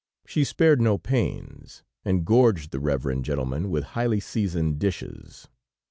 She spared no pains, and gorged the reverend gentleman with highly seasoned dishes.